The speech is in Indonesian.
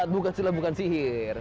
bukan silap bukan sihir